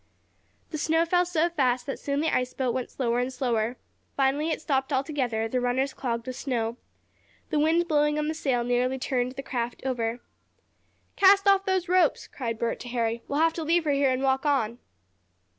The snow fell so fast that soon the ice boat went slower and slower. Finally it stopped altogether, the runners clogged with snow. The wind blowing on the sail nearly turned the craft over. "Cast off those ropes!" cried Bert to Harry. "We'll have to leave her here and walk on."